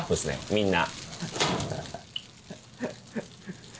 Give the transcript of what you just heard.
みんな。